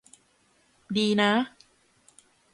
ดีนะ